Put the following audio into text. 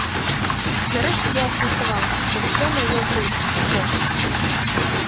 Нарэшце я асэнсаваў, што ўсё маё тут, у боксе.